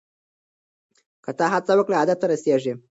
که ته هڅه وکړې هدف ته رسیږې.